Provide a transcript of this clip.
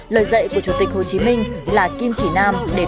lời dạy của chủ tịch hồ chí minh là kim chỉ nam